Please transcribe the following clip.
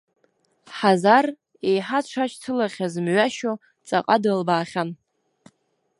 Ҳазар, еиҳа дшашьцылахьаз мҩашьо, ҵаҟа дылбаахьан.